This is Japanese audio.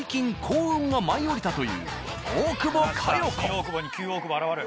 新大久保に旧大久保現る。